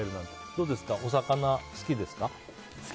どうですか、お魚好きですか？